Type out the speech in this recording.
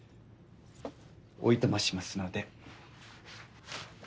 おいとましますので。